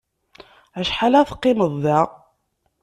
Acḥal ara teqqimeḍ da?